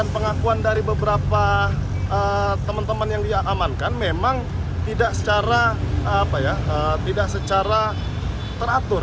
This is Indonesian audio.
pengakuan dari beberapa teman teman yang diamankan memang tidak secara tidak secara teratur